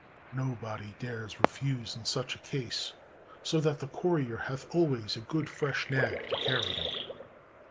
Nobody dares refuse in such a case; so that the courier hath always a good fresh nag to carry him.